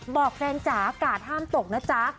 บอกแฟนจ๋ากาศห้ามตกนะจ๊ะ